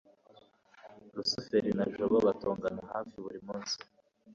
rusufero na jabo batongana hafi buri munsi